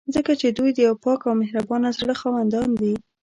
ځکه چې دوی د یو پاک او مهربانه زړه خاوندان دي.